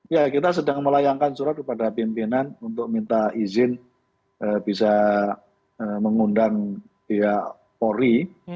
ya kita sedang melayangkan surat kepada pimpinan untuk minta izin bisa mengundang pihak polri